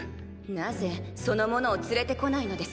なぜその者を連れてこないのです？